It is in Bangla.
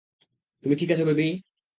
তুমি ঠিক আছো, বেবি।